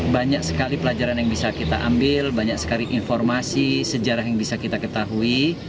banyak sekali pelajaran yang bisa kita ambil banyak sekali informasi sejarah yang bisa kita ketahui